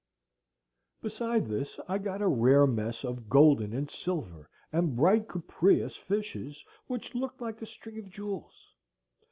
Beside this I got a rare mess of golden and silver and bright cupreous fishes, which looked like a string of jewels.